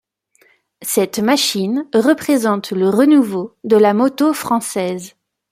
Cette machine représente le renouveau de la moto française.